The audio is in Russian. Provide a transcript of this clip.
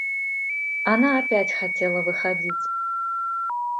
Она опять хотела выходить.